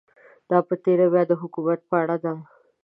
دا په تېره بیا د حکومتونو په اړه ده.